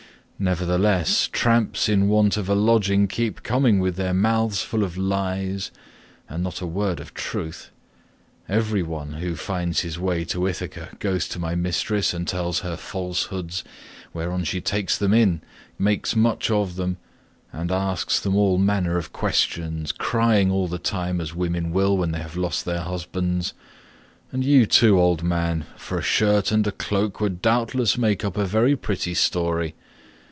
Nevertheless, tramps in want of a lodging keep coming with their mouths full of lies, and not a word of truth; every one who finds his way to Ithaca goes to my mistress and tells her falsehoods, whereon she takes them in, makes much of them, and asks them all manner of questions, crying all the time as women will when they have lost their husbands. And you too, old man, for a shirt and a cloak would doubtless make up a very pretty story.